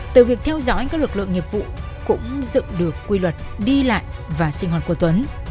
từ việc theo dõi các lực lượng nghiệp vụ cũng dựng được quy luật đi lại và sinh hoạt của tuấn